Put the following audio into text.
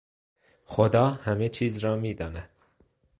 خدا همه چیز را میداند.